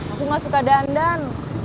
aku nggak suka dandan